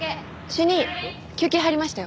主任休憩入りましたよ。